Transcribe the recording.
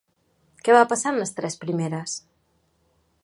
Què va passar en les tres primeres?